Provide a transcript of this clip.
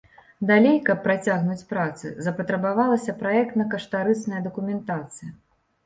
Далей, каб працягнуць працы, запатрабавалася праектна-каштарысная дакументацыя.